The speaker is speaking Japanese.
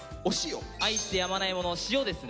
愛してやまないもの塩ですね。